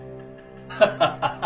ハハハハ！